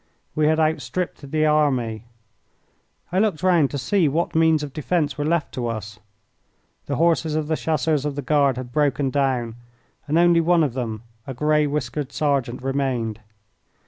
We had outstripped the army. I looked round to see what means of defence were left to us. The horses of the Chasseurs of the Guard had broken down, and only one of them, a grey whiskered sergeant, remained.